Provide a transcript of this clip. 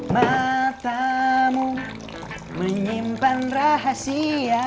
matamu menyimpan rahasia